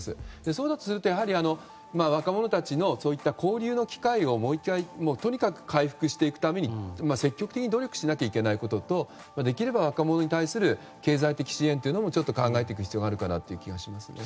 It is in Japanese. そうだとすると若者たちの交流の機会をもう１回とにかく回復していくために積極的に努力しなきゃいけないこととできれば、若者に対する経済的支援というのも考えていく必要があるかなという気がしますね。